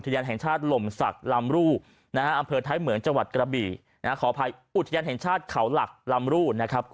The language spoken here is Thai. อุทยานแห่งชาติลมสักลำรุอไทยเหมือนจกระบีขออภัยอุทยานแห่งชาติเขาหลักลำรุ